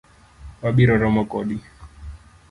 Wabiro romo kodi.